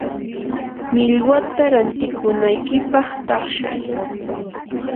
millwata rantikunaykipaq taqshay.